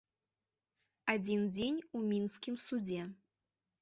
Адзін дзень у мінскім судзе.